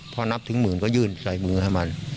พอนับถึงหมื่นก็ยื่นใส่มือให้มัน